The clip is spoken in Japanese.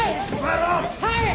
はい！